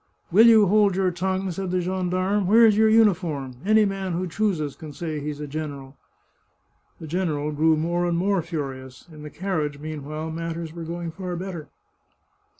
"Will you hold your tongue?" said the gendarme. " Where's your uniform ? Any man who chooses can say he is a general." The general grew more and more furious. In the car riage, meanwhile, matters were going far better.